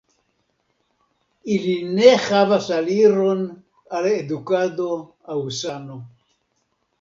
Ili ne havas aliron al edukado aŭ sano.